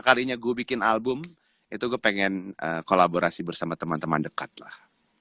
kalinya gue bikin album itu gue pengen kolaborasi bersama teman teman dekat lah